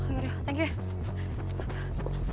oh yaudah thank you